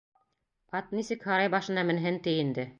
Ат нисек һарай башына менһен ти инде!